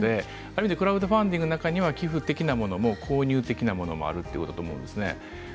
クラウドファンディングの中には寄付的なものも購入的なものもあるということです。